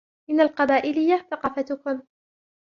إن القبائلية تڨافتكن.